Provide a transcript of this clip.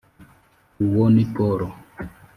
uwo ni paul.